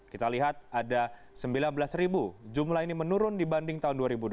kita lihat ada sembilan belas ribu jumlah ini menurun dibanding tahun dua ribu dua puluh